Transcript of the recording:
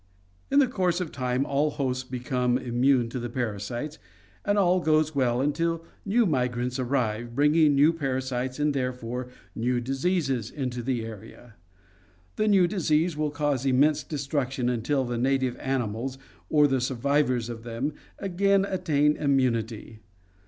In the course of time all hosts become immune to the parasites s and all goes well until new migrants arrive, bringing new parasites and therefore new diseases into the area. The new disease will cause immense destruction until the native animals, or the survivors of them, again attain immunity.